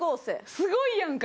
すごいやんか。